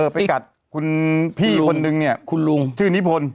ไปกัดคุณพี่คนนึงเนี่ยคุณลุงชื่อนิพนธ์